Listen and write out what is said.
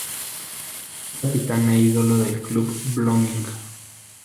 Es capitán e ídolo del Club Blooming.